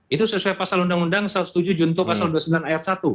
itu sesuai pasal undang undang satu ratus tujuh junto pasal dua puluh sembilan ayat satu